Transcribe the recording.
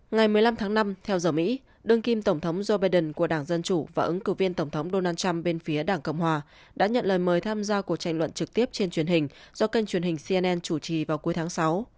ngày một mươi năm tháng năm theo giờ mỹ đơn kim tổng thống joe biden của đảng dân chủ và ứng cử viên tổng thống donald trump bên phía đảng cộng hòa đã nhận lời mời tham gia cuộc tranh luận trực tiếp trên truyền hình do kênh truyền hình cnn chủ trì vào cuối tháng sáu